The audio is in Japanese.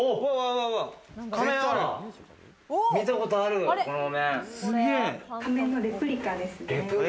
見たことある、このお面。